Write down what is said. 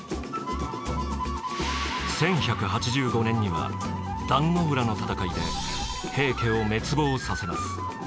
１１８５年には壇ノ浦の戦いで平家を滅亡させます。